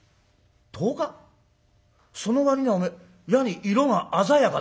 その割にはお前いやに色が鮮やかだな」。